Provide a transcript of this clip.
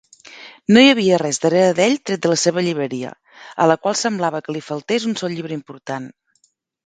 No hi havia res darrere d'ell tret de la seva llibreria, a la qual semblava que li faltés un sol llibre important.